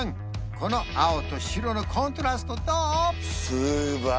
この青と白のコントラストどう？